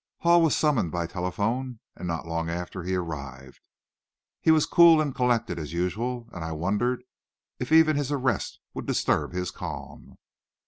Hall was summoned by telephone, and not long after he arrived. He was cool and collected, as usual, and I wondered if even his arrest would disturb his calm.